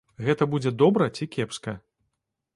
Гэта будзе добра ці кепска?